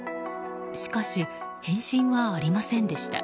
しかし、返信はありませんでした。